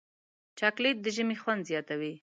چاکلېټ د ژمي خوند زیاتوي.